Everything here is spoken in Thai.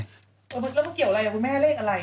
มันก็เกี่ยวอะไรนะคุณแม่เลขอะไร